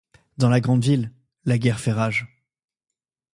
Dans la Grande Ville, la guerre fait rage.